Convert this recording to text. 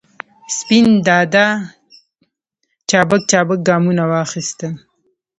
سپین دادا چابک چابک ګامونه واخستل.